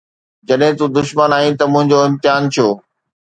جڏهن تون دشمن آهين ته منهنجو امتحان ڇو؟